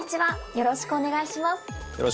よろしくお願いします。